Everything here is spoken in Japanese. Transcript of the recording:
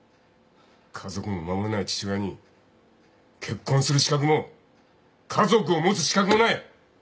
家族も守れない父親に結婚する資格も家族を持つ資格もない。